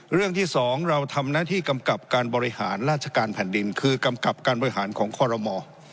เรื่องที่สองเราทำหน้าที่กำกับการบริหารราชการแผ่นดินคือกำกับการบริหารของคอรมอ